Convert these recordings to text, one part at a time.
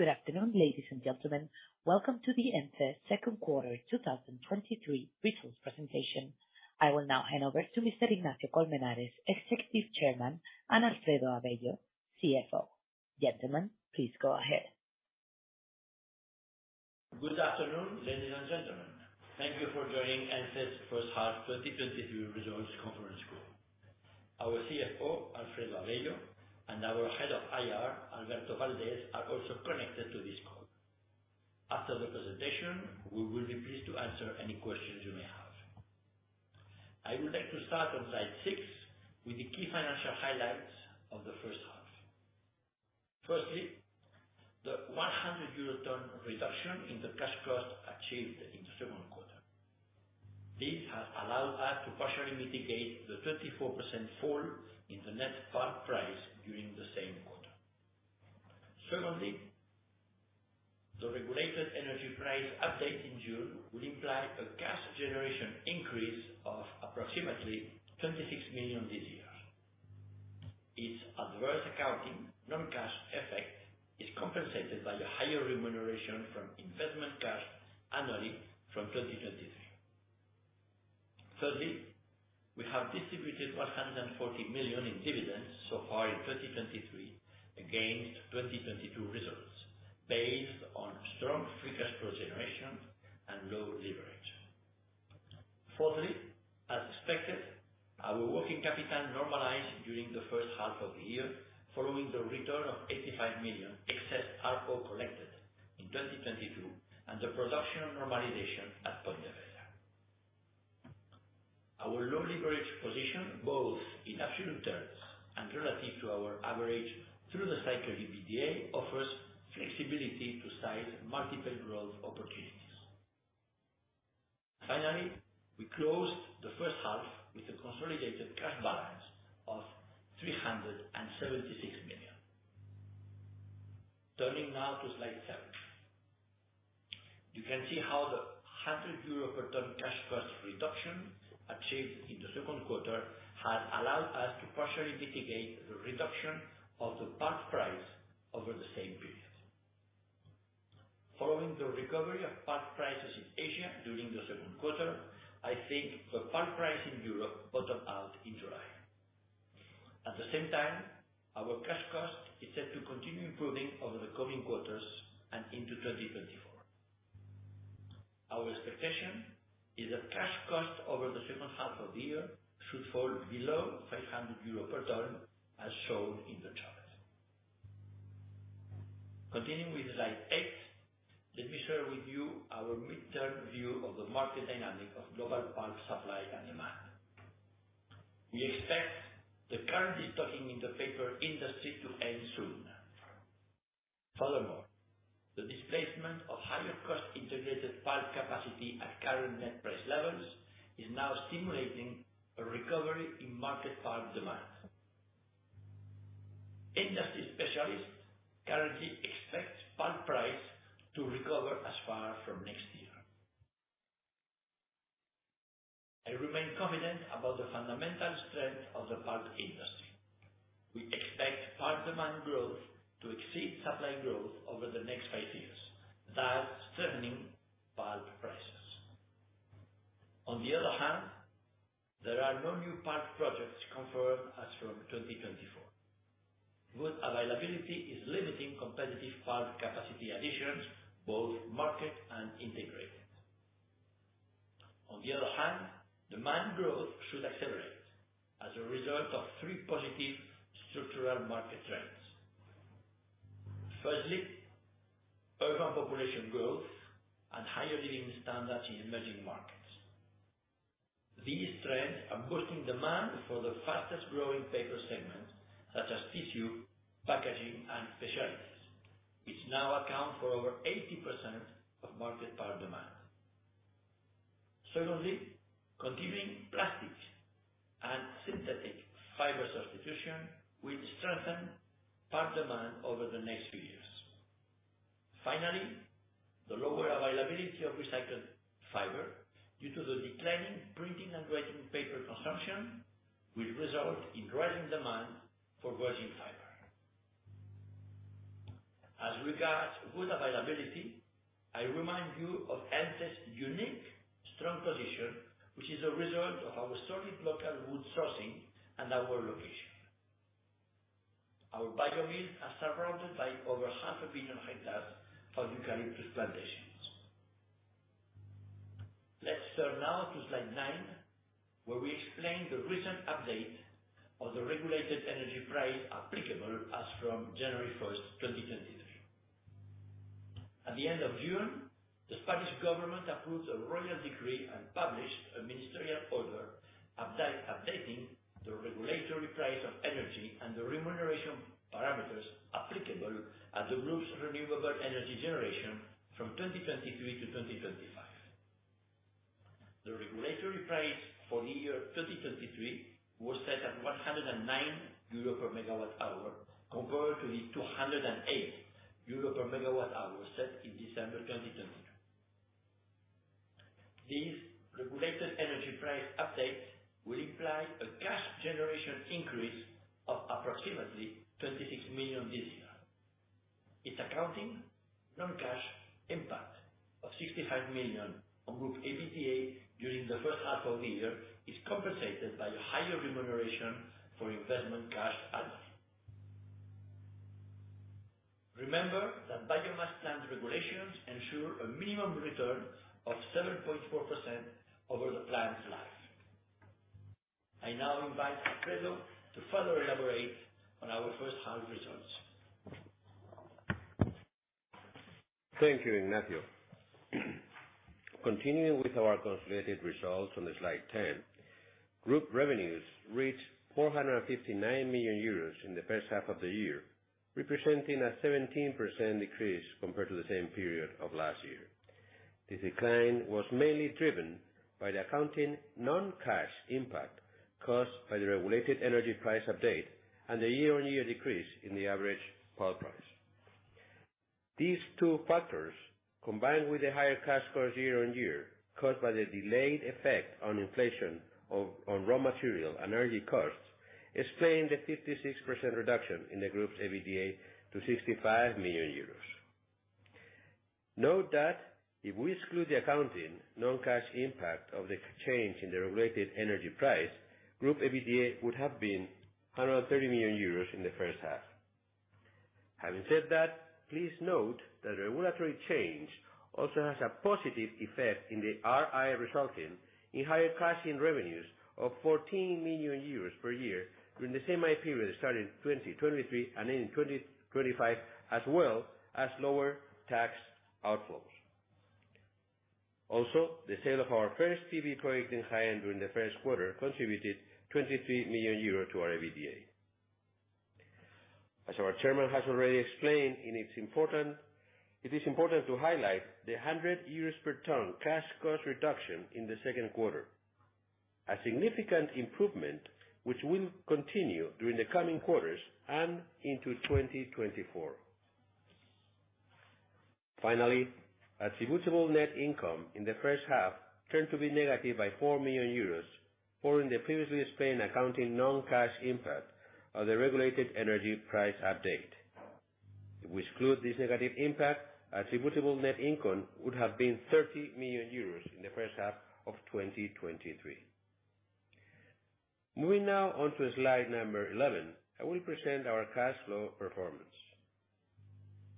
Good afternoon, ladies and gentlemen. Welcome to the ENCE second quarter 2023 results presentation. I will now hand over to Mr. Ignacio Colmenares, Executive Chairman, and Alfredo Avello, CFO. Gentlemen, please go ahead. Good afternoon, ladies and gentlemen. Thank you for joining ENCE's first half 2023 results conference call. Our CFO, Alfredo Avello, and our Head of IR, Alberto Valdes, are also connected to this call. After the presentation, we will be pleased to answer any questions you may have. I would like to start on slide six with the key financial highlights of the first half. Firstly, the 100 euro per ton reduction in the cash cost achieved in the second quarter. This has allowed us to partially mitigate the 24% fall in the net pulp price during the same quarter. Secondly, the regulated energy price update in June will imply a cash generation increase of approximately 26 million this year. Its adverse accounting non-cash effect is compensated by a higher remuneration from investment cash annually from 2023. Thirdly, we have distributed 140 million in dividends so far in 2023, against 2022 results, based on strong free cash flow generation and low leverage. Fourthly, as expected, our working capital normalized during the first half of the year, following the return of 85 million excess ARPU collected in 2022, and the production normalization at Pontevedra. Our low leverage position, both in absolute terms and relative to our average through the cycle EBITDA, offers flexibility to size multiple growth opportunities. Finally, we closed the first half with a consolidated cash balance of 376 million. Turning now to slide 7. You can see how the 100 euro per ton cash cost reduction achieved in the second quarter has allowed us to partially mitigate the reduction of the pulp price over the same period. Following the recovery of pulp prices in Asia during the second quarter, I think the pulp price in Europe bottomed out in July. At the same time, our cash cost is set to continue improving over the coming quarters and into 2024. Our expectation is that cash cost over the second half of the year should fall below 500 euro per ton, as shown in the chart. Continuing with slide 8, let me share with you our midterm view of the market dynamic of global pulp supply and demand. We expect the current stocking in the paper industry to end soon. The displacement of higher cost integrated pulp capacity at current net price levels is now stimulating a recovery in market pulp demand. Industry specialists currently expect pulp price to recover as far from next year. I remain confident about the fundamental strength of the pulp industry. We expect pulp demand growth to exceed supply growth over the next five years, thus strengthening pulp prices. There are no new pulp projects confirmed as from 2024. Wood availability is limiting competitive pulp capacity additions, both market and integrated. Demand growth should accelerate as a result of three positive structural market trends. Firstly, urban population growth and higher living standards in emerging markets. These trends are boosting demand for the fastest growing paper segments, such as tissue, packaging, and specialties, which now account for over 80% of market pulp demand. Secondly, continuing plastics and synthetic fiber substitution will strengthen pulp demand over the next few years. Finally, the lower availability of recycled fiber, due to the declining printing and writing paper consumption, will result in rising demand for virgin fiber. As regards wood availability, I remind you of ENCE's unique, strong position, which is a result of our solid local wood sourcing and our location. Our biomills are surrounded by over 500,000 hectares of eucalyptus plantations. Let's turn now to slide 9, where we explain the recent update of the regulated energy price applicable as from January 1st, 2023. At the end of June, the Spanish government approved a Royal Decree and published a Ministerial Order updating the regulatory price of energy and the remuneration parameters applicable at the group's renewable energy generation from 2023 to 2025. The regulatory price for the year 2023 was set at 109 euro per MWh, compared to the 208 euro per MWh set in December 2022. These regulated energy price updates will imply a cash generation increase of approximately 26 million this year. Its accounting non-cash impact of 65 million on group EBITDA during the first half of the year is compensated by a higher remuneration for investment cash out. Remember that biomass plant regulations ensure a minimum return of 7.4% over the plant's life. I now invite Alfredo to further elaborate on our first half results. Thank you, Ignacio. Continuing with our consolidated results on slide 10, group revenues reached 459 million euros in the first half of the year, representing a 17% decrease compared to the same period of last year. This decline was mainly driven by the accounting non-cash impact caused by the regulated energy price update and the year-on-year decrease in the average pulp price. These two factors, combined with the higher cash costs year-on-year, caused by the delayed effect on inflation on raw material and energy costs, explain the 56% reduction in the group's EBITDA to 65 million euros. Note that if we exclude the accounting non-cash impact of the change in the regulated energy price, group EBITDA would have been 130 million euros in the first half. Having said that, please note that regulatory change also has a positive effect in the IR, resulting in higher cash in revenues of 14 million euros per year during the same period, starting in 2023 and ending in 2025, as well as lower tax outflows. The sale of our first PV project in Jaén during the first quarter contributed 23 million euro to our EBITDA. As our chairman has already explained, it is important to highlight the 100 euros per ton cash cost reduction in the second quarter. A significant improvement, which will continue during the coming quarters and into 2024. Attributable net income in the first half turned to be negative by 4 million euros, following the previously explained accounting non-cash impact of the regulated energy price update. If we exclude this negative impact, attributable net income would have been 30 million euros in the first half of 2023. Moving now on to slide number 11, I will present our cash flow performance.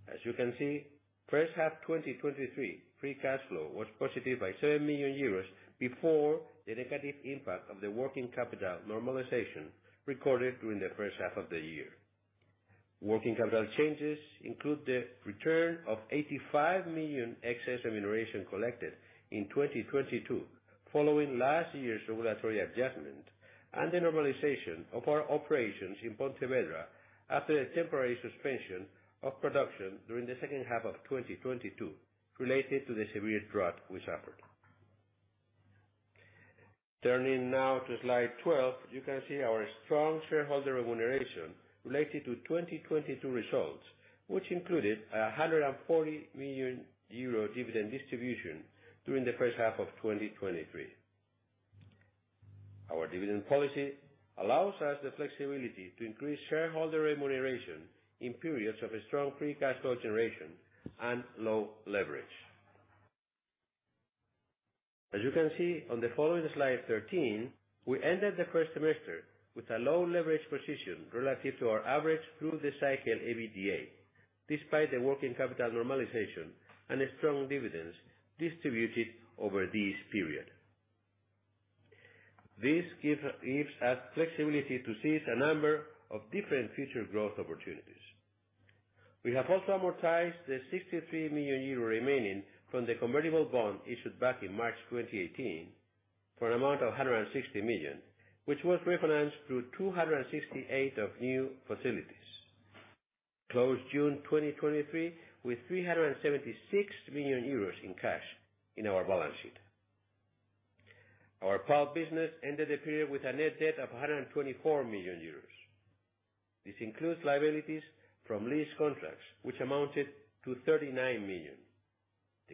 As you can see, first half 2023 free cash flow was positive by 7 million euros before the negative impact of the working capital normalization recorded during the first half of the year. Working capital changes include the return of 85 million excess remuneration collected in 2022, following last year's regulatory adjustment and the normalization of our operations in Pontevedra after a temporary suspension of production during the second half of 2022, related to the severe drought we suffered. Turning now to slide 12, you can see our strong shareholder remuneration related to 2022 results, which included 140 million euro dividend distribution during the first half of 2023. Our dividend policy allows us the flexibility to increase shareholder remuneration in periods of a strong free cash flow generation and low leverage. As you can see on the following slide 13, we ended the first semester with a low leverage position relative to our average through the cycle EBITDA, despite the working capital normalization and strong dividends distributed over this period. This gives us flexibility to seize a number of different future growth opportunities. We have also amortized the 63 million euro remaining from the convertible bond issued back in March 2018, for an amount of 160 million, which was refinanced through 268 of new facilities. Closed June 2023 with 376 million euros in cash in our balance sheet. Our pulp business ended the period with a net debt of 124 million euros. This includes liabilities from lease contracts, which amounted to 39 million.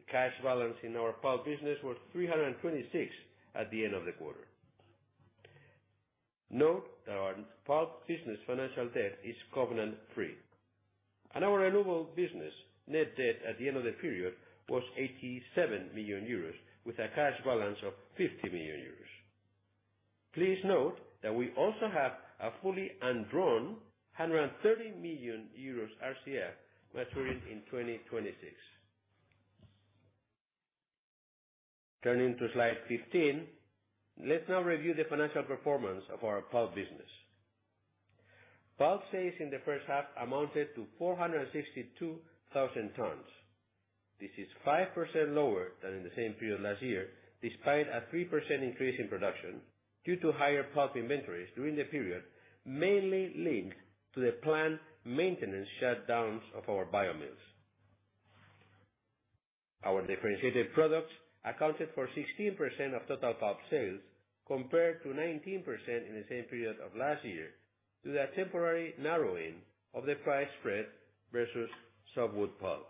The cash balance in our pulp business was 326 million at the end of the quarter. Note that our pulp business financial debt is covenant-free, and our renewable business net debt at the end of the period was 87 million euros, with a cash balance of 50 million euros. Please note that we also have a fully undrawn 130 million euros RCF maturing in 2026. Turning to slide 15, let's now review the financial performance of our pulp business. Pulp sales in the first half amounted to 462,000 tons. This is 5% lower than in the same period last year, despite a 3% increase in production due to higher pulp inventories during the period, mainly linked to the plant maintenance shutdowns of our biomills. Our differentiated products accounted for 16% of total pulp sales, compared to 19% in the same period of last year. Due to a temporary narrowing of the price spread versus softwood pulp.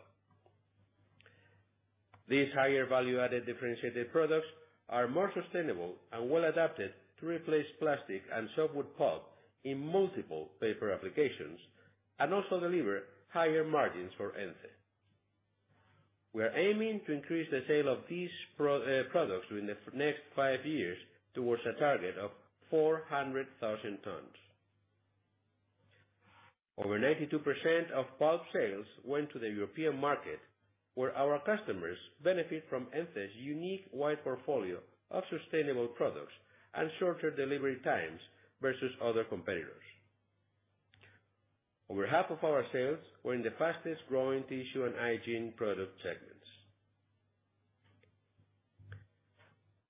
These higher value-added differentiated products are more sustainable and well-adapted to replace plastic and softwood pulp in multiple paper applications, and also deliver higher margins for ENCE. We are aiming to increase the sale of these products within the next five years towards a target of 400,000 tons. Over 92% of pulp sales went to the European market, where our customers benefit from ENCE's unique wide portfolio of sustainable products and shorter delivery times versus other competitors. Over half of our sales were in the fastest growing tissue and hygiene product segments.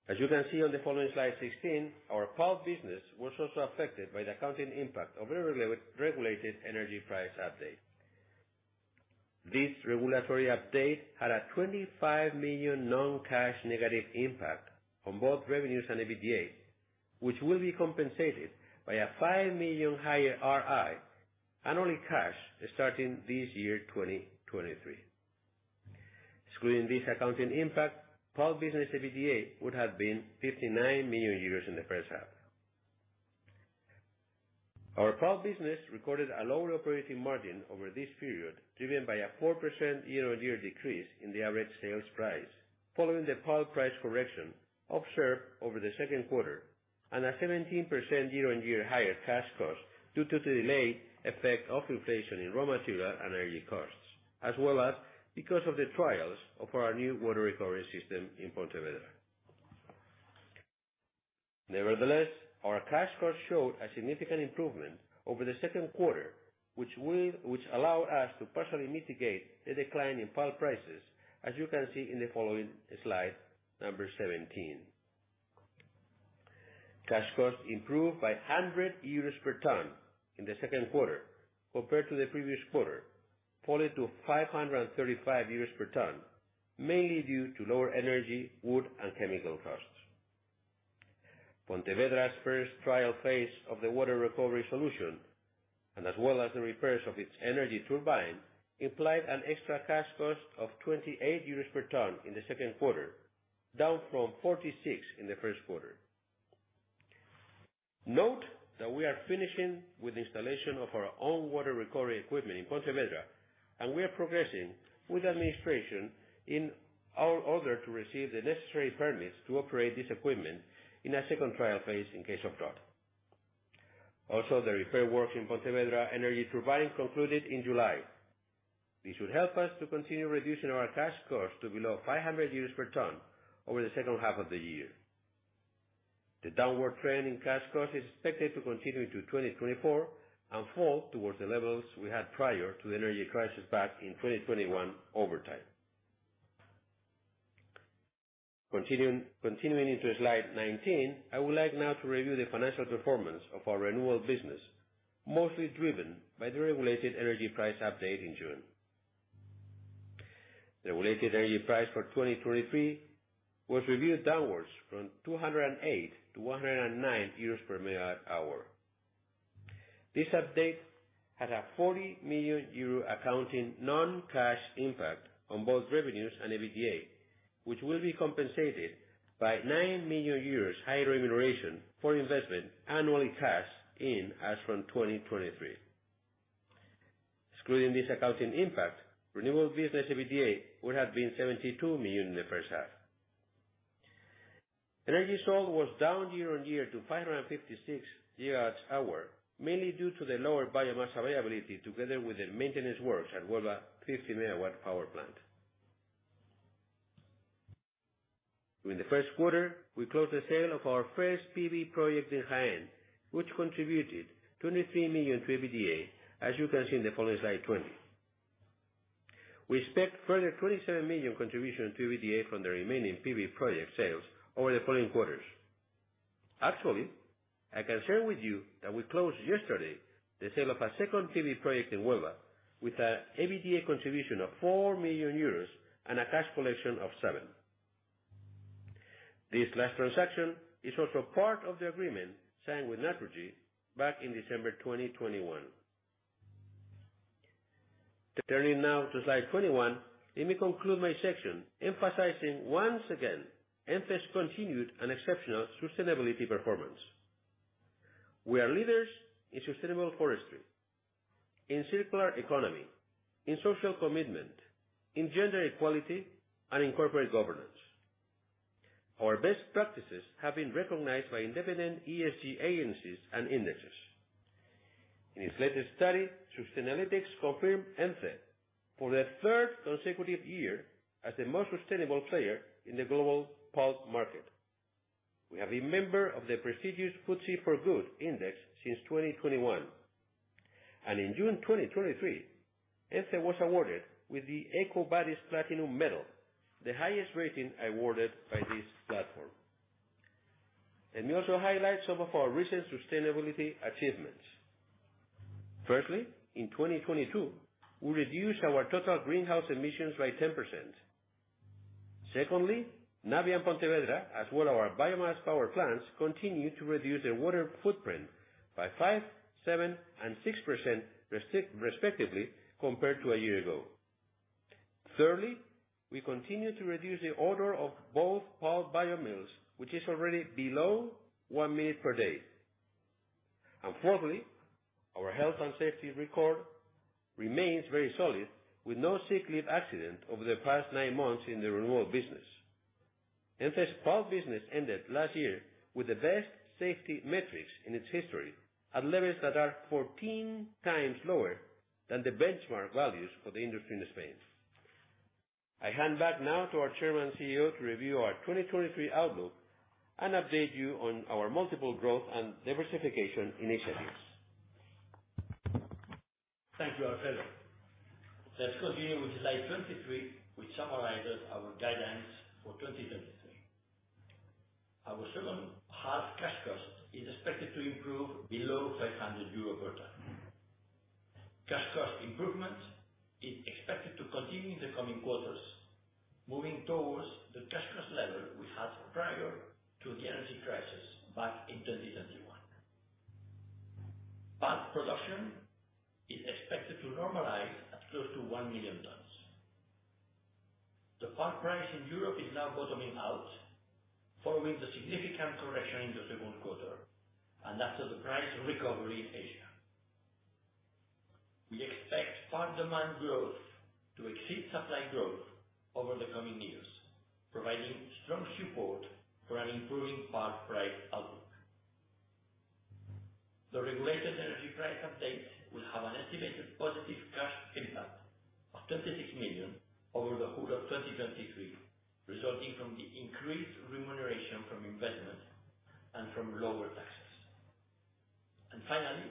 As you can see on the following slide 16, our pulp business was also affected by the accounting impact of a regulated energy price update. This regulatory update had a 25 million non-cash negative impact on both revenues and EBITDA, which will be compensated by a 5 million higher IR and only cash starting this year, 2023. Excluding this accounting impact, pulp business EBITDA would have been 59 million euros in the first half. Our pulp business recorded a lower operating margin over this period, driven by a 4% year-on-year decrease in the average sales price, following the pulp price correction observed over the second quarter, and a 17% year-on-year higher cash cost due to the delay effect of inflation in raw material and energy costs, as well as because of the trials of our new water recovery system in Pontevedra. Nevertheless, our cash cost showed a significant improvement over the second quarter, which allowed us to partially mitigate the decline in pulp prices, as you can see in the following slide, number 17. Cash cost improved by 100 euros per ton in the second quarter compared to the previous quarter, falling to 535 euros per ton, mainly due to lower energy, wood, and chemical costs. Pontevedra's first trial phase of the water recovery solution, as well as the repairs of its energy turbine, implied an extra cash cost of 28 euros per ton in the second quarter, down from 46 in the first quarter. Note that we are finishing with installation of our own water recovery equipment in Pontevedra, we are progressing with administration in our order to receive the necessary permits to operate this equipment in a second trial phase in case of doubt. The repair works in Pontevedra energy turbine concluded in July. This will help us to continue reducing our cash cost to below 500 euros per ton over the second half of the year. The downward trend in cash cost is expected to continue into 2024, fall towards the levels we had prior to the energy crisis back in 2021 over time. Continuing into slide 19, I would like now to review the financial performance of our renewable business, mostly driven by the regulated energy price update in June. The regulated energy price for 2023 was reviewed downwards from 208 to 109 euros per MWh. This update had a 40 million euro accounting non-cash impact on both revenues and EBITDA, which will be compensated by 9 million higher remuneration for investment annually cash in as from 2023. Excluding this accounting impact, renewable business EBITDA would have been 72 million in the first half. Energy sold was down year-on-year to 556 GWh, mainly due to the lower biomass availability, together with the maintenance works at Huelva 50 MW power plant. During the first quarter, we closed the sale of our first PV project in Jaén, which contributed 23 million to EBITDA, as you can see in the following slide 20. We expect further 27 million contribution to EBITDA from the remaining PV project sales over the following quarters. Actually, I can share with you that we closed yesterday the sale of our second PV project in Huelva, with a EBITDA contribution of 4 million euros and a cash collection of 7. This last transaction is also part of the agreement signed with Naturgy back in December 2021. Turning now to slide 21, let me conclude my section, emphasizing once again, ENCE's continued and exceptional sustainability performance. We are leaders in sustainable forestry, in circular economy, in social commitment, in gender equality, and in corporate governance. Our best practices have been recognized by independent ESG agencies and indexes. In its latest study, Sustainalytics confirmed ENCE for the third consecutive year as the most sustainable player in the global pulp market. We have been member of the prestigious FTSE4Good Index since 2021. In June 2023, ENCE was awarded with the EcoVadis platinum medal, the highest rating awarded by this platform. Let me also highlight some of our recent sustainability achievements. Firstly, in 2022, we reduced our total greenhouse emissions by 10%. Secondly, Navia and Pontevedra, as well our biomass power plants, continue to reduce their water footprint by 5%, 7%, and 6%, respectively, compared to a year ago. Thirdly, we continue to reduce the odor of both pulp bio mills, which is already below 1 minute per day. Fourthly, our health and safety record remains very solid, with no sick leave accident over the past 9 months in the renewable business. ENCE's pulp business ended last year with the best safety metrics in its history, at levels that are 14 times lower than the benchmark values for the industry in Spain. I hand back now to our Chairman and CEO to review our 2023 outlook and update you on our multiple growth and diversification initiatives. Thank you, Alfredo. Let's continue with slide 23, which summarizes our guidance for 2023. Our second half cash cost is expected to improve below 500 euro per ton. Cash cost improvement is expected to continue in the coming quarters, moving towards the cash cost level we had prior to the energy crisis back in 2021. Pulp production is expected to normalize at close to 1 million tons. The pulp price in Europe is now bottoming out, following the significant correction in the second quarter, and after the price recovery in Asia. We expect pulp demand growth to exceed supply growth over the coming years, providing strong support for an improving pulp price outlook. The regulated energy price updates will have an estimated positive cash impact of 26 million over the whole of 2023, resulting from the increased remuneration from investment and from lower taxes. Finally,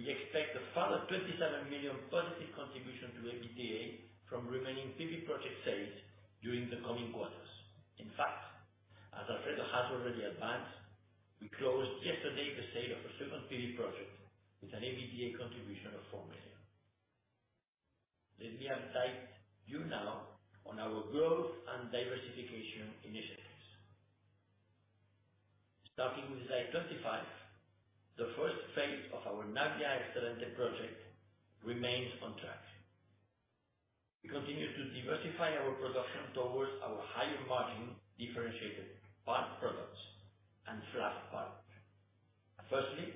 we expect a further 27 million positive contribution to EBITDA from remaining PV project sales during the coming quarters. In fact, as Alfredo has already advanced, we closed yesterday the sale of a second PV project with an EBITDA contribution of 4 million. Let me update you now on our growth and diversification initiatives. Starting with slide 25, the first phase of our Navia Excelente project remains on track. We continue to diversify our production towards our higher margin, differentiated pulp products and fluff pulp. Firstly,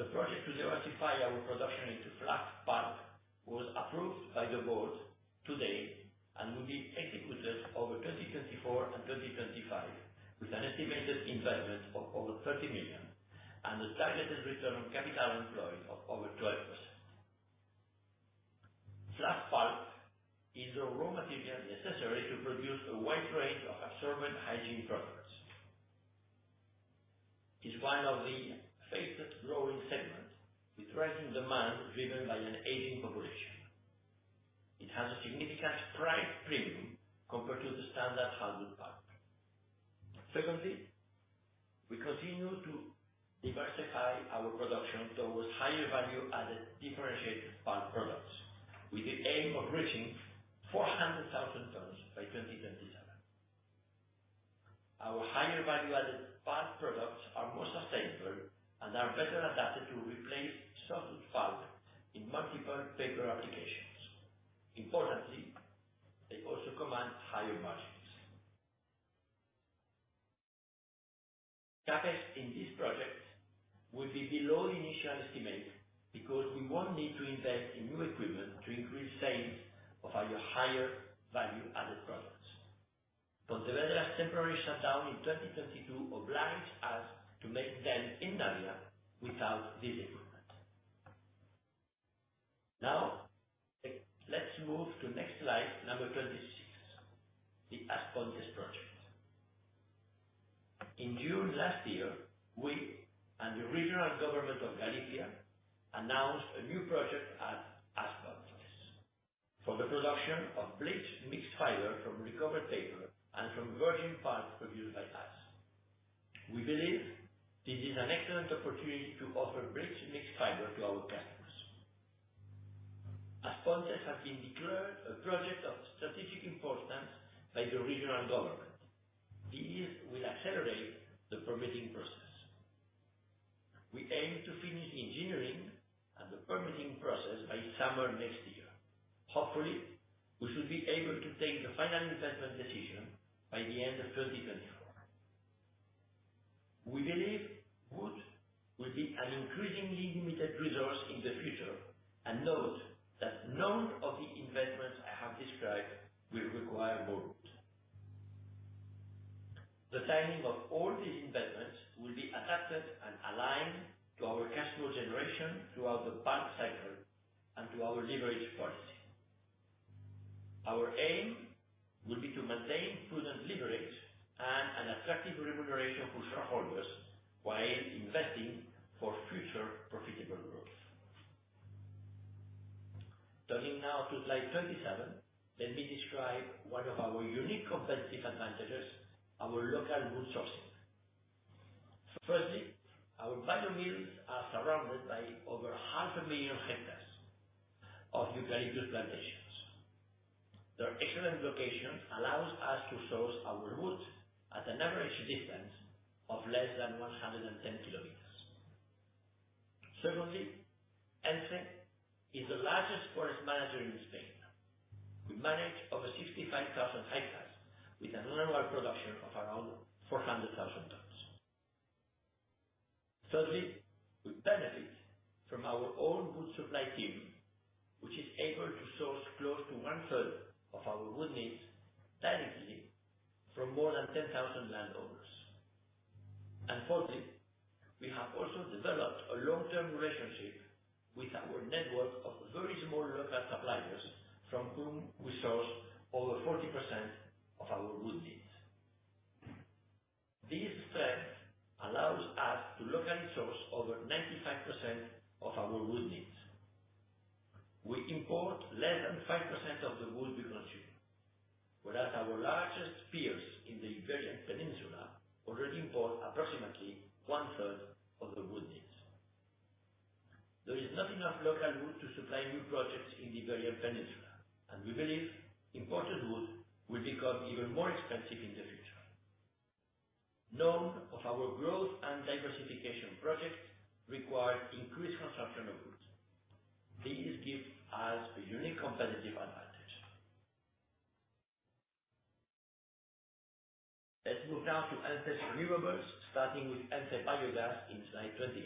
the project to diversify our production into fluff pulp was approved by the board today, and will be executed over 2024 and 2025, with an estimated investment of over 30 million, and a targeted return on capital employed of over 12%. Fluff pulp is the raw material necessary to produce a wide range of absorbent hygiene products. It's one of the fastest growing segments, with rising demand driven by an aging population. It has a significant price premium compared to the standard hardwood pulp. Secondly, we continue to diversify our production towards higher value-added, differentiated pulp products, with the aim of reaching 400,000 tons by 2027. Our higher value-added pulp products are more sustainable and are better adapted to replace softwood pulp in multiple paper applications. Importantly, they also command higher margins. CapEx in this project will be below the initial estimate, because we won't need to invest in new equipment to increase sales of our higher value-added products. Pontevedra temporary shutdown in 2022 obliges us to make them in Navia without this equipment. Let's move to next slide, number 26, the As Pontes project. In June last year, we and the regional government of Galicia announced a new project at As Pontes for the production of bleached mixed fiber from recovered paper and from virgin pulp produced by us. We believe this is an excellent opportunity to offer bleached mixed fiber to our customers. As Pontes has been declared a project of strategic importance by the regional government. This will accelerate the permitting process. We aim to finish the engineering and the permitting process by summer next year. Hopefully, we should be able to take the final investment decision by the end of 2024. We believe wood will be an increasingly limited resource in the future, and note that none of the investments I have described will require more wood. The timing of all these investments will be adapted and aligned to our cash flow generation throughout the pulp cycle and to our leverage policy. Our aim will be to maintain prudent leverage and an attractive remuneration for shareholders, while investing for future profitable growth. Turning now to slide 27, let me describe one of our unique competitive advantages, our local wood sourcing. Firstly, our biomills are surrounded by over 500,000 hectares of eucalyptus plantations. Their excellent location allows us to source our wood at an average distance of less than 110 km. Secondly, ENCE is the largest forest manager in Spain. We manage over 65,000 hectares with an annual production of around 400,000 tons. Thirdly, we benefit from our own wood supply team, which is able to source close to 1/3 of our wood needs directly from more than 10,000 landowners. Fourthly, we have also developed a long-term relationship with our network of very small local suppliers, from whom we source over 40% of our wood needs. These strengths allows us to locally source over 95% of our wood needs. We import less than 5% of the wood we consume, whereas our largest peers in the Iberian Peninsula already import approximately 1/3 of their wood needs. There is not enough local wood to supply new projects in the Iberian Peninsula. We believe imported wood will become even more expensive in the future. None of our growth and diversification projects require increased consumption of wood. These give us a unique competitive advantage. Let's move now to ENCE Renewables, starting with ENCE Biogas in slide 28.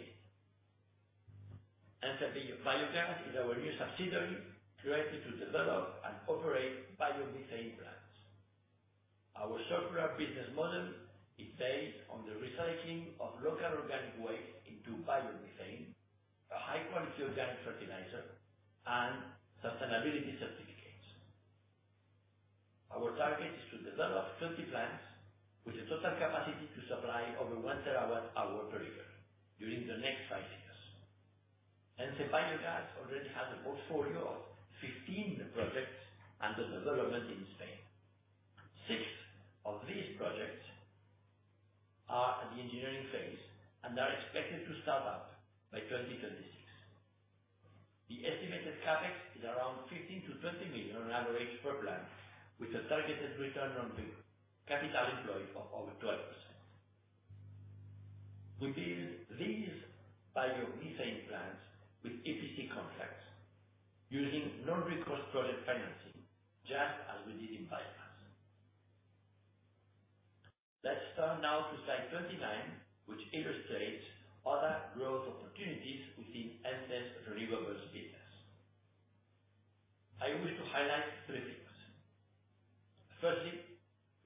ENCE Biogas is our new subsidiary created to develop and operate biomethane plants. Our circular business model is based on the recycling of local organic waste into biomethane, a high-quality organic fertilizer, and sustainability certificates. Our target is to develop 30 plants with a total capacity to supply over 1 TWh per year during the next five years. ENCE Biogas already has a portfolio of 15 projects under development in Spain. Six of these projects are at the engineering phase and are expected to start up by 2026. The estimated CapEx is around 15 million-20 million on average per plant, with a targeted return on the capital employed of over 12%. We build these biomethane plants with EPC contracts using non-recourse project financing, just as we did in biomass. Let's turn now to slide 29, which illustrates other growth opportunities within ENCE's renewables business. I wish to highlight three things. Firstly,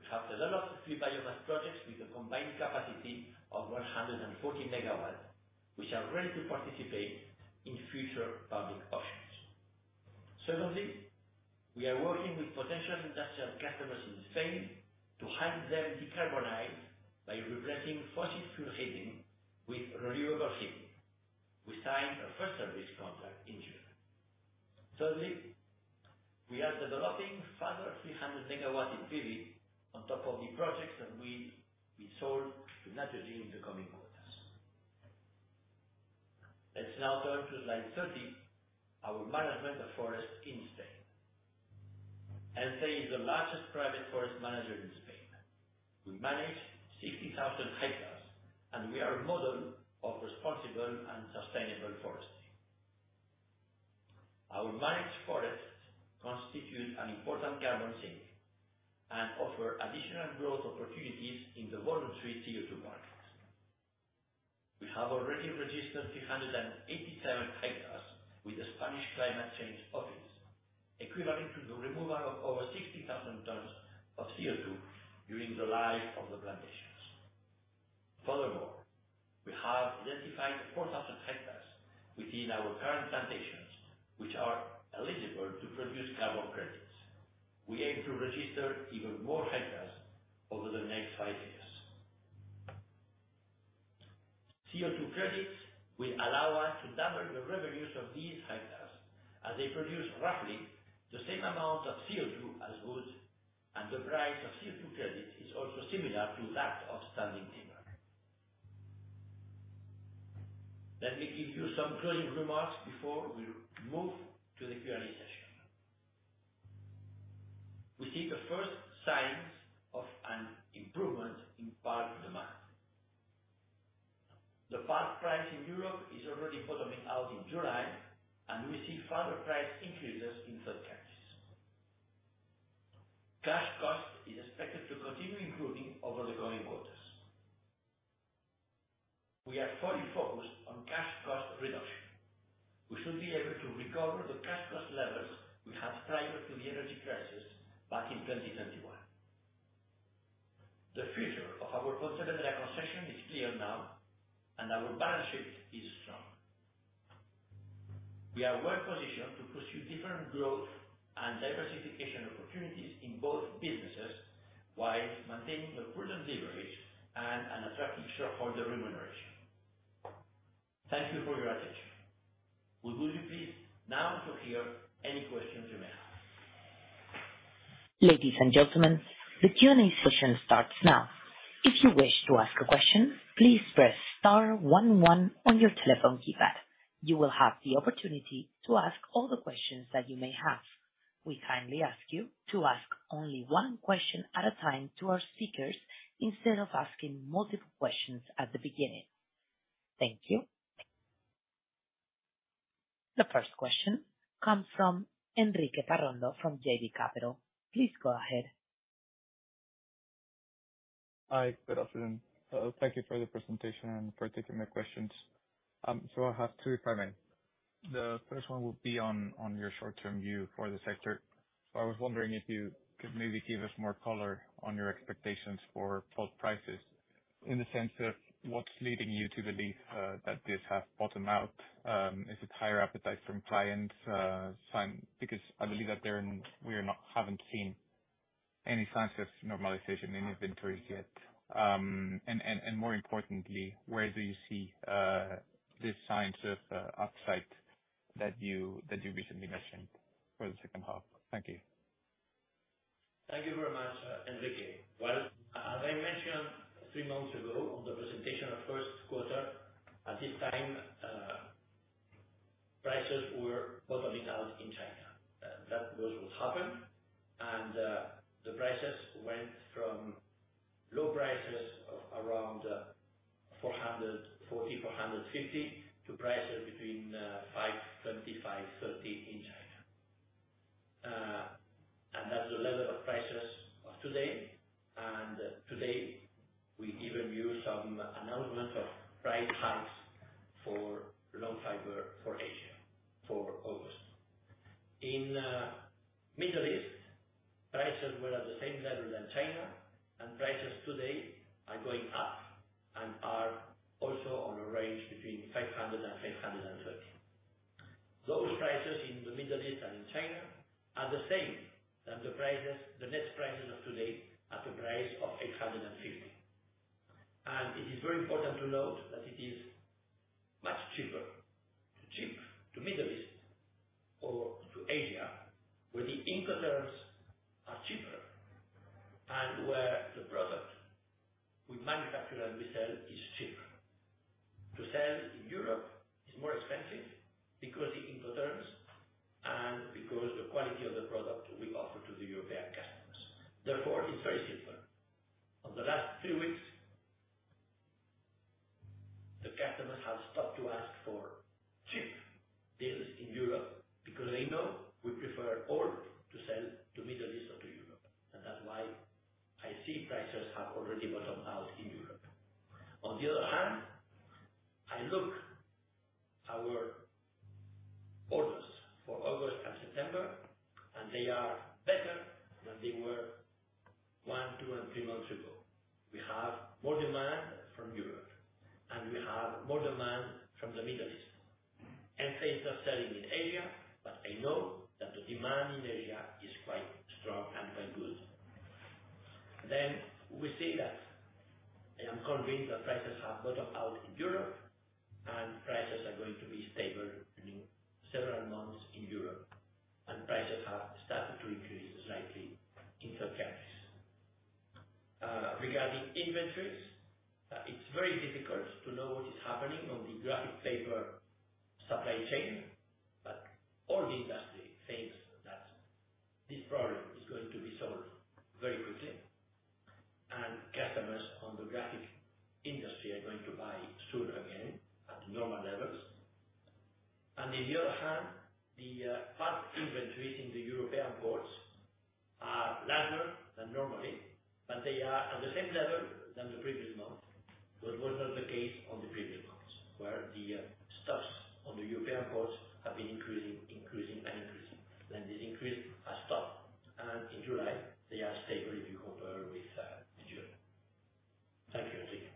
we have developed three biomass projects with a combined capacity of 140 MW, which are ready to participate in future funding options. Secondly, we are working with potential industrial customers in Spain to help them decarbonize by replacing fossil fuel heating with renewable heating. We signed a first service contract in June. Thirdly, we are developing further 300 MW in PV on top of the projects that will be sold to Naturgy in the coming quarters. Let's now turn to slide 30, our management of forest in Spain. ENCE is the largest private forest manager in Spain. We manage 60,000 hectares, and we are a model of responsible and sustainable forestry. Our managed forests constitute an important carbon sink and offer additional growth opportunities in the voluntary CO2 markets. We have already registered 387 hectares with the Spanish Climate Change Office, equivalent to the removal of over 60,000 tons of CO2 during the life of the plantations. Furthermore, we have identified 4,000 hectares within our current plantations, which are eligible to produce carbon credits. We aim to register even more hectares over the next five years. CO2 credits will allow us to double the revenues of these hectares as they produce roughly the same amount of CO2 as wood, and the price of CO2 credits is also similar to that of standing timber. Let me give you some closing remarks before we move to the Q&A session. We see the first signs of an improvement in pulp demand. The pulp price in Europe is already bottoming out in July, and we see further price increases in third countries. Cash cost is expected to continue improving over the coming quarters. We are fully focused on cash cost reduction. We should be able to recover the cash cost levels we had prior to the energy crisis back in 2021. The future of our Portugal concession is clear now, and our balance sheet is strong. We are well positioned to pursue different growth and diversification opportunities in both businesses, while maintaining a prudent leverage and an attractive shareholder remuneration. Thank you for your attention. We will be pleased now to hear any questions you may have. Ladies and gentlemen, the Q&A session starts now. If you wish to ask a question, please press star one one on your telephone keypad. You will have the opportunity to ask all the questions that you may have. We kindly ask you to ask only one question at a time to our speakers, instead of asking multiple questions at the beginning. Thank you. The first question comes from Enrique Parrondo, from JB Capital Markets. Please go ahead. Hi, good afternoon. Thank you for the presentation and for taking my questions. I have two, if I may. The first one will be on your short-term view for the sector. I was wondering if you could maybe give us more color on your expectations for pulp prices, in the sense of what's leading you to believe that this has bottomed out. Is it higher appetite from clients, sign? I believe that we haven't seen any signs of normalization in inventories yet. More importantly, where do you see the signs of upside that you recently mentioned for the Second Half? Thank you. Thank you very much, Enrique. As I mentioned three months ago on the presentation of first quarter, at this time, prices were bottoming out in China. That was what happened, the prices went from low prices of around 440, 450, to prices between 520 and 530 in China. That's the level of prices of today. Today, we give you some announcement of price hikes for long fiber for Asia, for August. In Middle East, prices were at the same level as China, prices today are going up and are also on a range between 500 and 530. Those prices in the Middle East and in China are the same as the prices, the next prices of today, at a price of 850. It is very important to note that it is much cheaper to ship to Middle East or to Asia, where the incoterms are cheaper and where the product we manufacture and we sell is cheaper. To sell in Europe is more expensive because the incoterms and because the quality of the product we offer to the European customers. Therefore, it's very simple. On the last 3 weeks, the customers have stopped to ask for cheap deals in Europe, because they know we prefer all to sell to Middle East or to Europe. That's why I see prices have already bottomed out in Europe. On the other hand, I look our orders for August and September, and they are better than they were 1, 2, and 3 months ago. We have more demand from Europe, and we have more demand from the Middle East. Things are selling in area, but I know that the demand in area is quite strong and quite good. We see that, and I'm convinced that prices have bottomed out in Europe, and prices are going to be stable during several months in Europe, and prices have started to increase slightly in third countries. Regarding inventories, it's very difficult to know what is happening on the graphic paper supply chain, but all the industry thinks that this problem is going to be solved very quickly. Customers on the graphic industry are going to buy soon again, at normal levels. On the other hand, the pulp inventories in the European ports are larger than normally, but they are at the same level than the previous month. Was not the case on the previous months, where the stocks on the European ports have been increasing, increasing and increasing. This increase has stopped, and in July they are stable if you compare with June. Thank you, Enrique.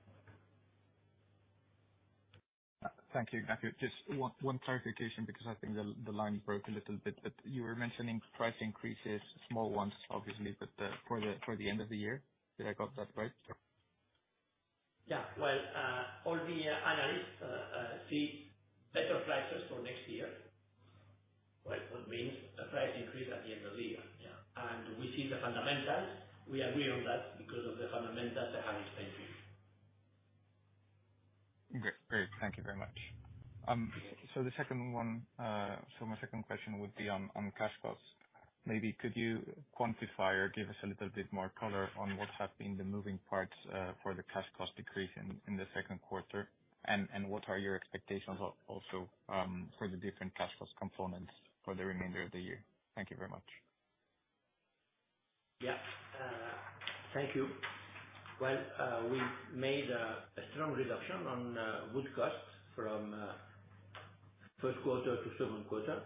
Thank you. Just one, one clarification, because I think the, the line broke a little bit, but you were mentioning price increases, small ones, obviously, but, for the, for the end of the year. Did I get that right? Yeah. Well, all the analysts see better prices for next year. Well, what means the price increase at the end of the year? Yeah, we see the fundamentals. We agree on that because of the fundamentals I have explained to you. Great. Great, thank you very much. The second one. My second question would be on cash costs. Maybe could you quantify or give us a little bit more color on what have been the moving parts for the cash cost decrease in the second quarter? What are your expectations also for the different cash cost components for the remainder of the year? Thank you very much. Yeah, thank you. Well, we made a strong reduction on wood costs from first quarter to second quarter.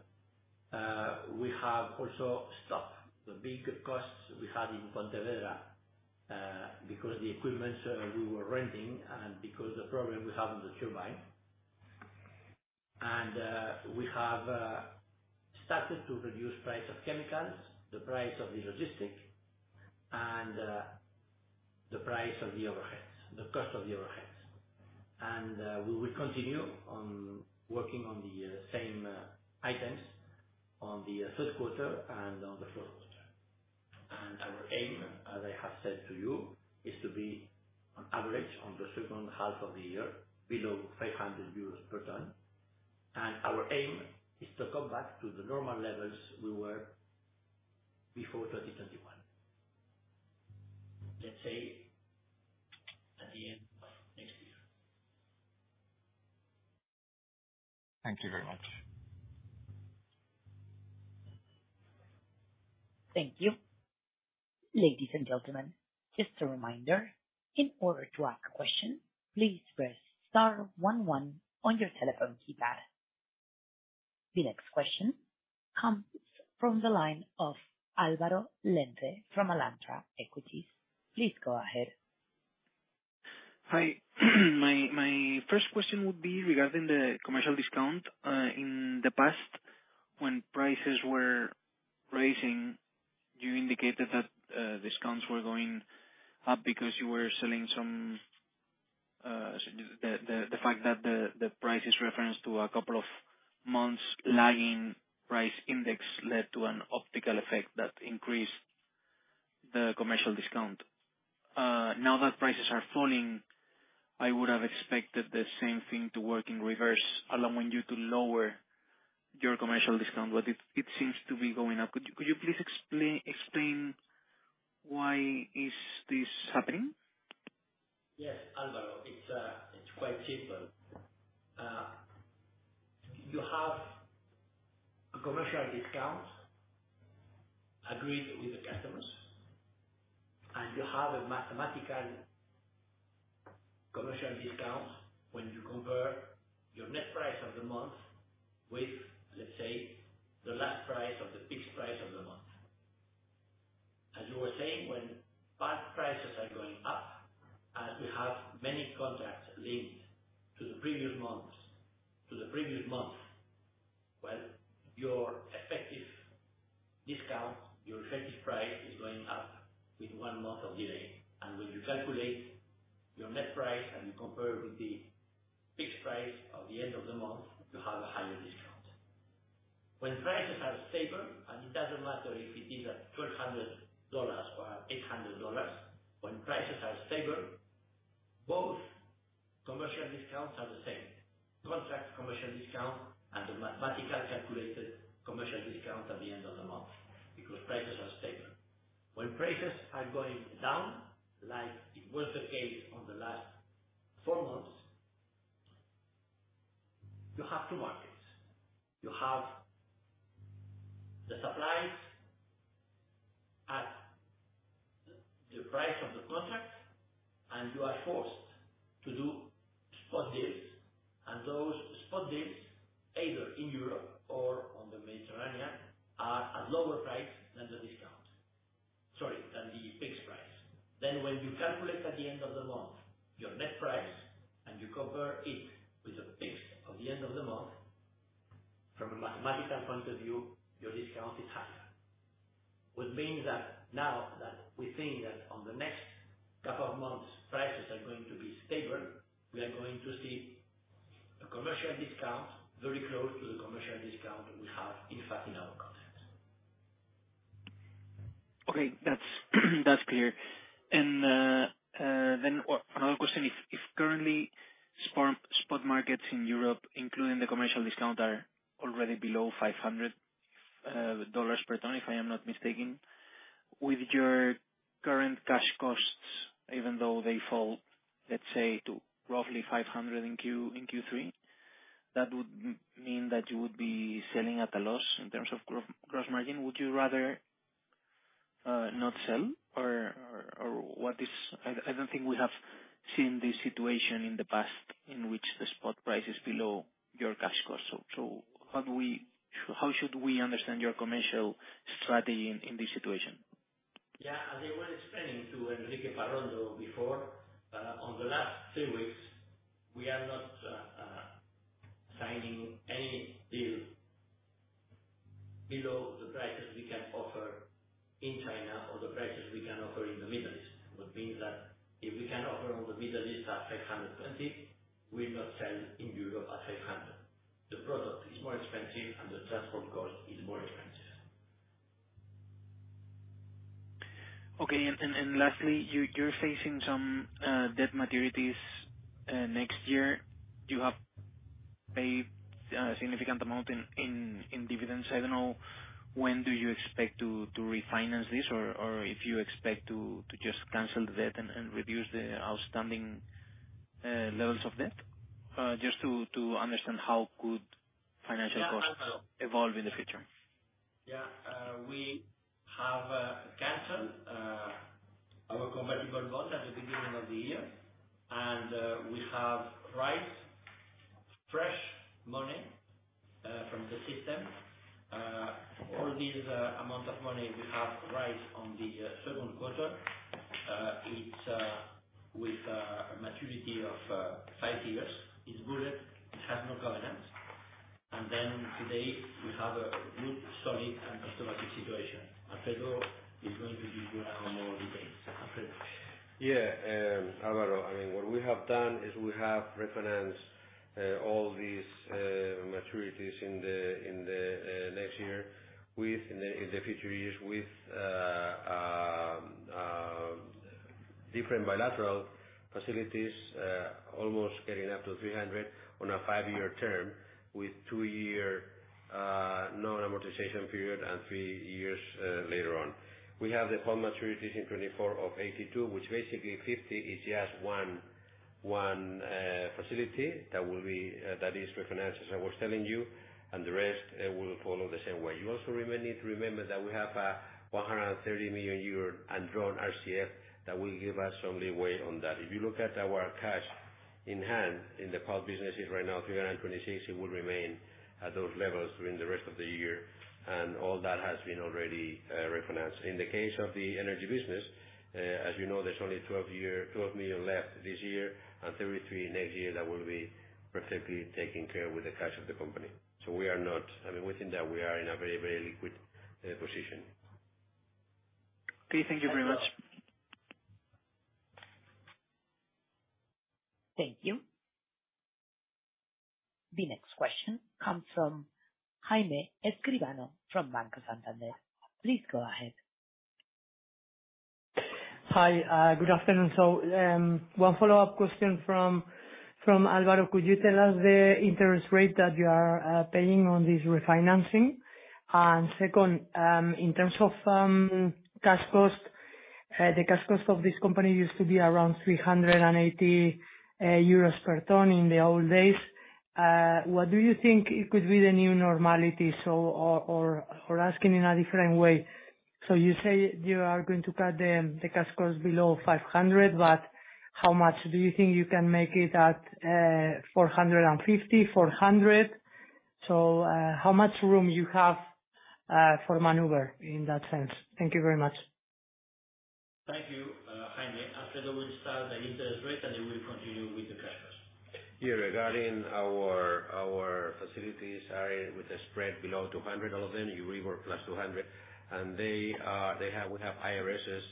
We have also stopped the big costs we had in Pontevedra because the equipments we were renting and because the problem we have on the turbine. We have started to reduce price of chemicals, the price of the logistics, and the price of the overheads, the cost of the overheads. We will continue on working on the same items on the third quarter and on the fourth quarter. Our aim, as I have said to you, is to be on average on the second half of the year, below 500 euros per ton. Our aim is to come back to the normal levels we were before 2021, let's say, at the end of next year. Thank you very much. Thank you. Ladies and gentlemen, just a reminder, in order to ask a question, please press star one one on your telephone keypad. The next question comes from the line of Álvaro Lente from Alantra Equities. Please go ahead. Hi. My first question would be regarding the commercial discount. In the past, when prices were rising, you indicated that discounts were going up because you were selling some, the fact that the price is referenced to a couple of months lagging price index led to an optical effect that increased the commercial discount. Now that prices are falling, I would have expected the same thing to work in reverse, allowing you to lower your commercial discount, but it seems to be going up. Could you please explain why is this happening? Yes, Alvaro, it's quite simple. You have a commercial discount agreed with the customers. You have a mathematical commercial discount when you compare your net price of the month with, let's say, the last price or the fixed price of the month. As you were saying, when spot prices are going up, we have many contracts linked to the previous month, well, your effective discount, your effective price is going up with 1 month of delay. When you calculate your net price and you compare with the fixed price of the end of the month, you have a higher discount. When prices are stable, it doesn't matter if it is at $1,200 or at $800, when prices are stable, both commercial discounts are the same. Contract commercial discount and the mathematical calculated commercial discount at the end of the month, because prices are stable. When prices are going down, like it was the case on the last four months, you have two markets. You have the supplies at the price of the contract, and you are forced to do spot deals. Those spot deals, either in Europe or on the Mediterranean, are at lower price than the discount. Sorry, than the fixed price. When you calculate at the end of the month, your net price, and you compare it with the fixed of the end of the month, from a mathematical point of view, your discount is higher. Which means that now that we think that on the next couple of months, prices are going to be stable, we are going to see a commercial discount very close to the commercial discount we have, in fact, in our contracts. Okay, that's clear. Then another question, if currently spot markets in Europe, including the commercial discount, are already below $500 per ton, if I am not mistaken. With your current cash costs, even though they fall, let's say, to roughly $500 in Q3, that would mean that you would be selling at a loss in terms of gross margin. Would you rather not sell or what is...? I don't think we have seen this situation in the past in which the spot price is below your cash cost. How do we, how should we understand your commercial strategy in this situation? As I was explaining to Enrique Parrondo before, on the last three weeks, we are not, signing any deal below the prices we can offer in China or the prices we can offer in the Middle East. Which means that if we can offer on the Middle East at $520, we will not sell in Europe at $500. The product is more expensive, and the transport cost is more expensive. Okay, lastly, you're facing some debt maturities next year. Do you have paid a significant amount in dividends? I don't know, when do you expect to refinance this, or if you expect to just cancel the debt and reduce the outstanding levels of debt? Just to understand how could financial costs. Yeah, Alvaro. Evolve in the future. Yeah, we have canceled our convertible bonds at the beginning of the year. We have raised fresh money from the system. All these amount of money we have raised on the second quarter, it's with a maturity of five years. It's bullet, it has no covenant. Today, we have a good, solid, and customized situation. Alfredo is going to give you more details. Alfredo? Alvaro, what we have done is we have refinanced all these maturities in the next year with in the future years, with different bilateral facilities, almost getting up to 300 on a five-year term, with two-year non-amortization period and three years later on. We have the full maturities in 2024 of 82, which basically 50 is just one facility that is refinanced, as I was telling you, and the rest will follow the same way. You also need to remember that we have a 130 million euro undrawn RCF that will give us some leeway on that. If you look at our cash in hand, in the pulp business is right now 326. It will remain at those levels during the rest of the year. All that has been already refinanced. In the case of the energy business, as you know, there's only 12 million left this year and 33 million next year that will be perfectly taken care with the cash of the company. I mean, within that, we are in a very, very liquid position. Okay. Thank you very much. Thank you. Thank you. The next question comes from Jaime Escribano from Banco Santander. Please go ahead. Hi, good afternoon. One follow-up question from Alvaro. Could you tell us the interest rate that you are paying on this refinancing? Second, in terms of cash cost, the cash cost of this company used to be around 380 euros per ton in the old days. What do you think it could be the new normality? Or asking in a different way, you say you are going to cut the cash costs below 500, but how much do you think you can make it at 450, 400? How much room you have for maneuver in that sense? Thank you very much. Thank you, Jaime. Alfredo will start the interest rate, and he will continue with the cash flows. Yeah, regarding our facilities are with a spread below 200, all of them, EURIBOR plus 200. We have IRSs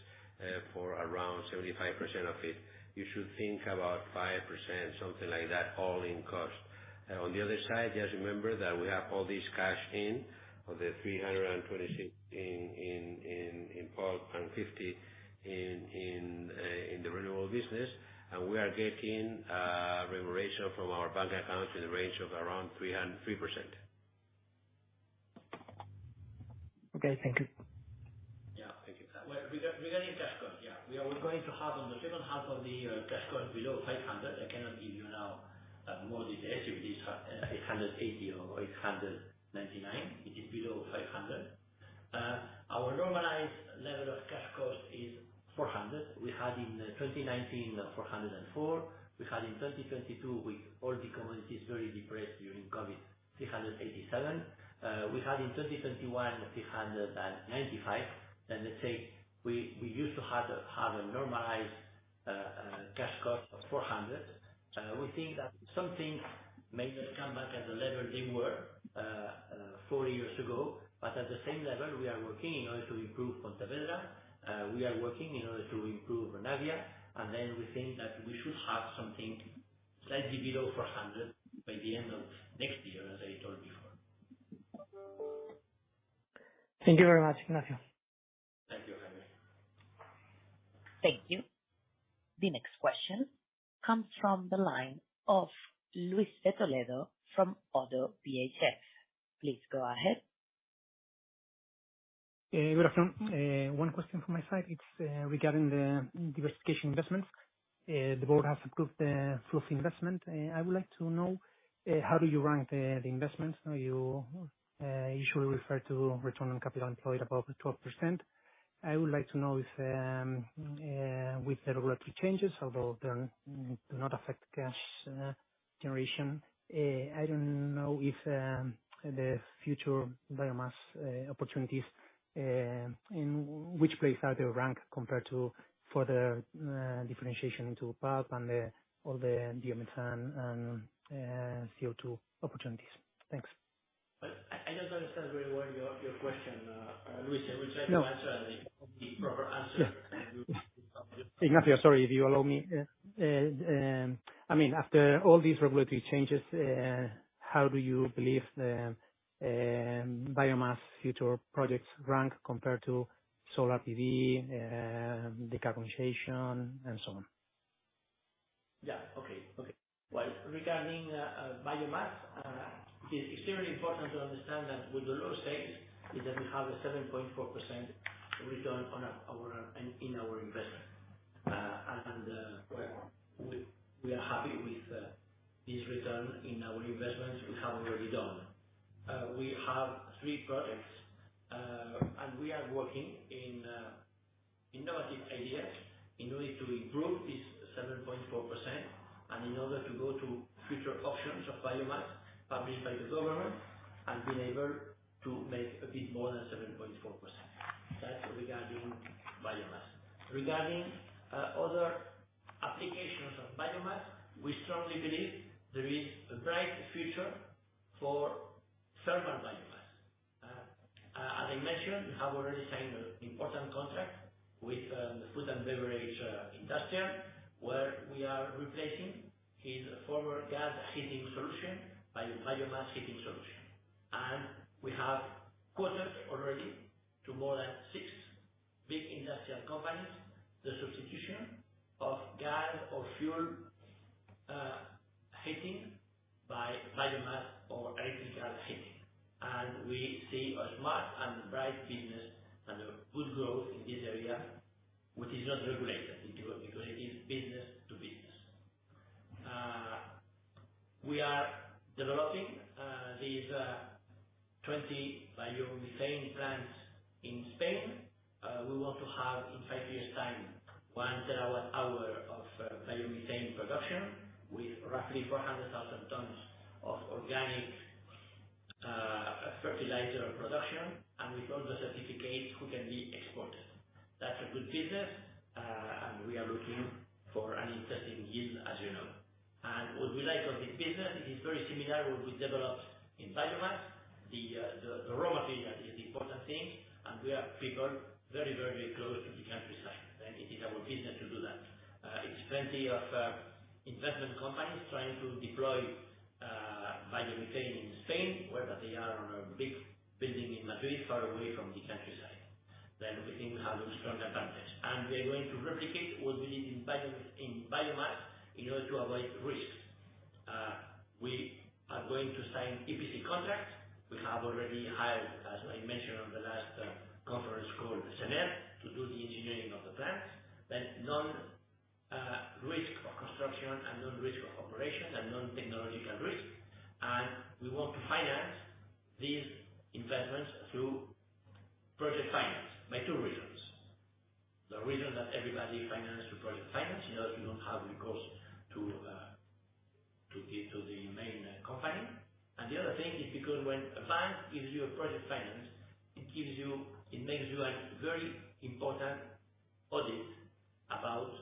for around 75% of it. You should think about 5%, something like that, all-in cost. On the other side, just remember that we have all this cash in, of the 326 in pulp, and 50 in the renewable business. We are getting remuneration from our bank accounts in the range of around 3%. Okay. Thank you. Yeah, thank you. Well, regarding cash cost, yeah, we are going to have on the second half of the year, cash cost below 500. I cannot give you now a more detail if it is 880 or 899. It is below 500. Our normalized level of cash cost is 400. We had in 2019, 404. We had in 2022, with all the commodities very depressed during COVID, 387. We had in 2021, 395. Let's say, we used to have a normalized cash cost of 400. We think that some things may not come back at the level they were four years ago, but at the same level, we are working in order to improve Pontevedra, we are working in order to improve Navia, and then we think that we should have something slightly below 400 by the end of next year, as I told before. Thank you very much. Ignacio. Thank you, Jaime. Thank you. The next question comes from the line of Luis de Toledo from Oddo BHF. Please go ahead. Good afternoon. One question from my side, it's regarding the diversification investments. The board has approved the flow of investment. I would like to know how do you rank the investments? Now, you usually refer to return on capital employed above 12%. I would like to know if with the regulatory changes, although them do not affect cash generation, I don't know if the future biomass opportunities, in which place are they ranked compared to further differentiation into pulp and all the biomethane and CO2 opportunities? Thanks. I don't understand very well your, your question, Luis. No. I will try to answer the proper answer. Ignacio, sorry, if you allow me. I mean, after all these regulatory changes, how do you believe the biomass future projects rank compared to solar PV, decarbonization, and so on? Yeah. Okay, okay. Well, regarding biomass, it is extremely important to understand that with the low stakes is that we have a 7.4% return on our, on, in our investment. We, we are happy with this return in our investments we have already done. We have three projects, we are working in innovative ideas in order to improve this 7.4%, in order to go to future auctions of biomass published by the government, being able to make a bit more than 7.4%. That's regarding biomass. Regarding applications of biomass, we strongly believe there is a bright future for thermal biomass. As I mentioned, we have already signed an important contract with the food and beverage industrial, where we are replacing his former gas heating solution by a biomass heating solution. We have quoted already to more than six big industrial companies, the substitution of gas or fuel heating by biomass or electrical heating. We see a smart and bright business and a good growth in this area, which is not regulated because it is business to business. We are developing these 20 biomethane plants in Spain. We want to have, in five years' time, 1 TWh of biomethane production, with roughly 400,000 tons of organic fertilizer production, and with all the certificates who can be exported. That's a good business, and we are looking for an interesting yield, as you know. What we like of this business, it is very similar to what we developed in biomass. The, the raw material is the important thing, and we are people very, very close to the countryside, and it is our business to do that. It's plenty of investment companies trying to deploy biomethane in Spain, whether they are on a big building in Madrid, far away from the countryside. We think we have a strong advantage, and we're going to replicate what we did in biomass in order to avoid risks. We are going to sign EPC contracts. We have already hired, as I mentioned on the last conference call, Sener, to do the engineering of the plants, then non-risk of construction and non-risk of operation and non-technological risk. We want to finance these investments through project finance by two reasons. The reason that everybody finance through project finance, you know, you don't have the cost to give to the main company. The other thing is because when a bank gives you a project finance, it makes you a very important audit about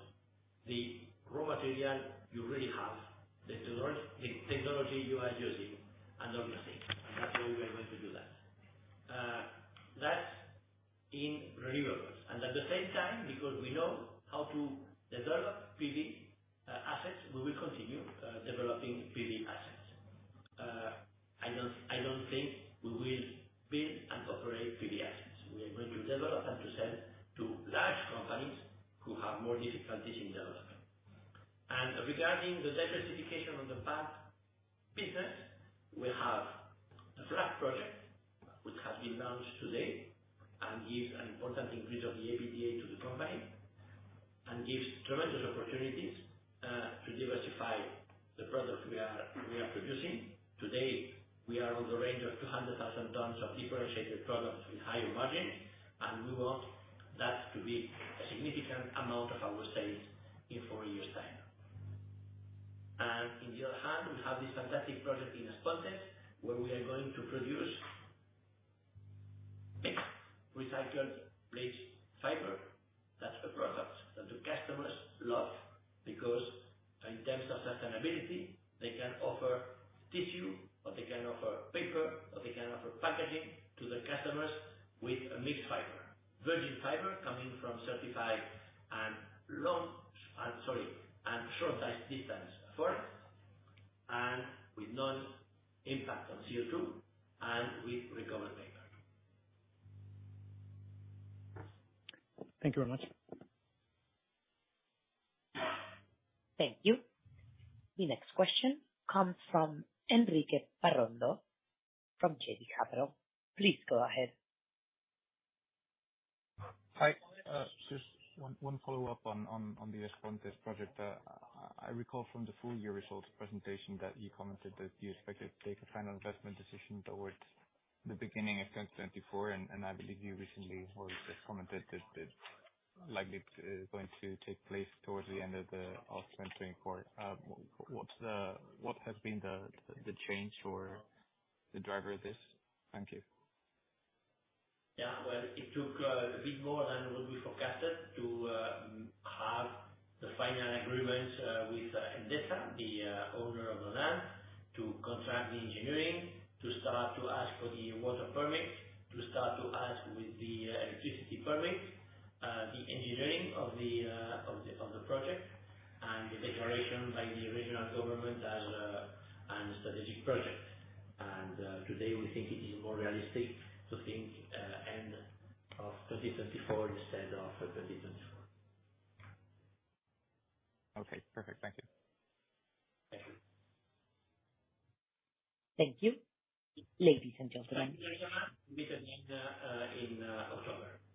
the raw material you really have, the technology you are using, and other things. That's how we are going to do that. That's in renewables, and at the same time, because we know how to develop PV assets, we will continue developing PV assets. I don't think we will build and operate PV assets. We are going to develop and to sell to large companies who have more difficulties in development. Regarding the diversification on the pulp business, we have a flat project which has been launched today, gives an important increase of the EBITDA to the company. Gives tremendous opportunities to diversify the products we are producing. Today, we are on the range of 200,000 tons of differentiated products with higher margins, and we want that to be a significant amount of our sales in four years' time. In the other hand, we have this fantastic project in As Pontes, where we are going to produce recycled bleach fiber. That's a product that the customers love, because in terms of sustainability, they can offer tissue, or they can offer paper, or they can offer packaging to the customers with a mixed fiber. Virgin fiber coming from certified and long, sorry, and short-distance forests, and with non impact on CO2, and with recovered paper. Thank you very much. Thank you. The next question comes from Enrique Parrondo, from JB Capital Markets. Please go ahead. Hi, just one follow-up on the As Pontes project. I recall from the full year results presentation that you commented that you expected to take a final investment decision towards the beginning of 2024, and I believe you recently or just commented that likely it's going to take place towards the end of 2024. What has been the change or the driver of this? Thank you. Yeah, well, it took, a bit more than what we forecasted to, have the final agreement, with Endesa, the, owner of the land, to contract the engineering, to start to ask for the water permit, to start to ask with the, electricity permit, the engineering of the project, and the declaration by the regional government as an strategic project. Today, we think it is more realistic to think, end of 2024 instead of 2024. Okay, perfect. Thank you. Thank you. Thank you, ladies and gentlemen. Thank you very much. We will meet in October.